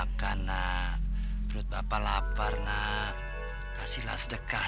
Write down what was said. deixa aku coba pasang di dalam hartian